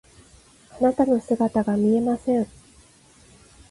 あなたの姿が見えません。